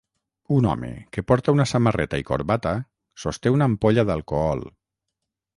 Un home que porta una samarreta i corbata sosté una ampolla d'alcohol.